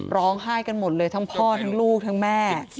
ร้องไห้กันหมดเลยทั้งพ่อทั้งลูกทั้งแม่